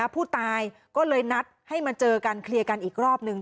ผู้ตายก็เลยนัดให้มาเจอกันเคลียร์กันอีกรอบนึง